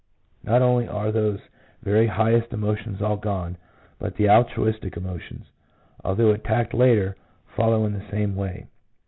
Not only are those very highest emotions all gone, but the altruistic emotions, although attacked later, follow in the same way.